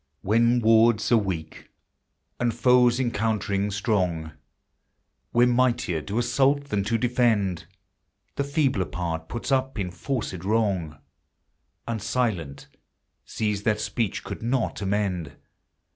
When words are weak and foes encountering strong, Where mightier do assault than do defend, The feebler part puts up enforced wrong, And silent sees that speech could not amend.